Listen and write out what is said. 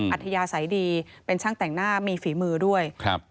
อัธยาศัยดีเป็นช่างแต่งหน้ามีฝีมือด้วยครับ